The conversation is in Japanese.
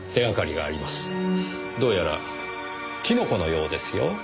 どうやらキノコのようですよ。